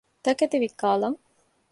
ތަކެތި ވިއްކާލަން